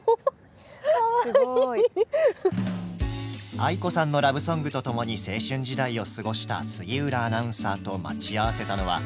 ａｉｋｏさんのラブソングとともに青春時代を過ごした杉浦アナウンサーと待ち合わせたのは大阪城公園。